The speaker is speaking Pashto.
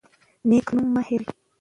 نیک نوم مه هیروئ.